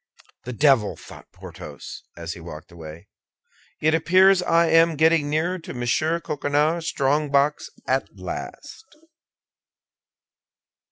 "The devil!" thought Porthos, as he walked away, "it appears I am getting nearer to Monsieur Coquenard's strongbox at last."